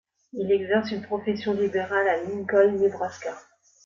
Il exerce une profession libérale à Lincoln, Nebraska.